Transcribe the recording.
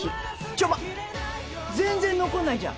ちょま全然残んないじゃん。